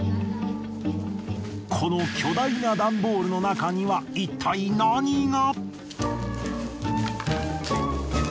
この巨大な段ボールの中にはいったい何が？